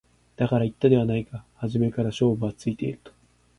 だから言ったではないか初めから勝負はついていると